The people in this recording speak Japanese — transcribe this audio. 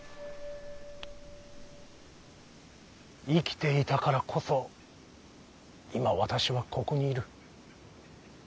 生きていたからこそ今私はここにいる。